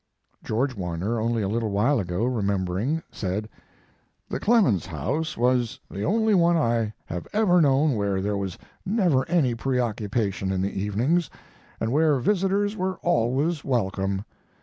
George Warner, only a little while ago, remembering, said: "The Clemens house was the only one I have ever known where there was never any preoccupation in the evenings, and where visitors were always welcome.